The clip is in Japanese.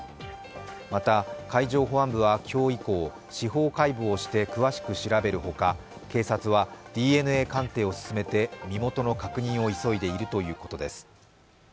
また、海上保安部は今日以降司法解剖して詳しく調べるほか警察はＤＮＡ鑑定を進めて身元の確認を急いでいるということです。